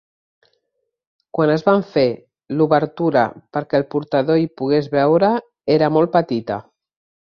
Quan es van fer, l’obertura perquè el portador hi pogués veure era molt petita.